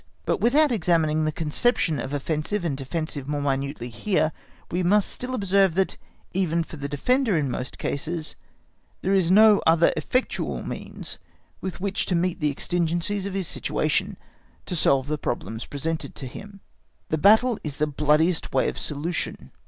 But without examining the conception of offensive and defensive more minutely here, we must still observe that, even for the defender in most cases, there is no other effectual means with which to meet the exigencies of his situation, to solve the problem presented to him. The battle is the bloodiest way of solution.